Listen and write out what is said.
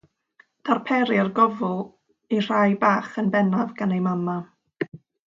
Darperir gofl i'r rhai bach yn bennaf gan eu mamau.